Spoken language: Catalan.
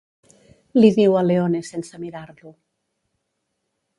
—li diu a Leone sense mirar-lo.